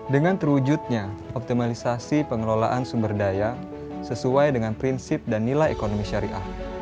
dengan terwujudnya optimalisasi pengelolaan sumber daya sesuai dengan prinsip dan nilai ekonomi syariah